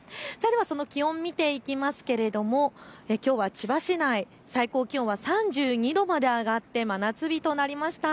気温、見ていきますけれどもきょうは千葉市内、最高気温は３２度まで上がって真夏日となりました。